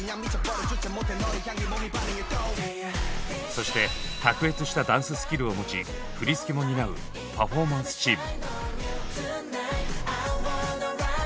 そして卓越したダンススキルを持ち振り付けも担う「パフォーマンス」チーム。